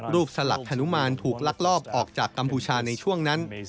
สลักฮนุมานถูกลักลอบออกจากกัมพูชาในช่วงนั้น